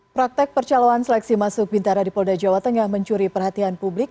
praktek percaloan seleksi masuk bintara di polda jawa tengah mencuri perhatian publik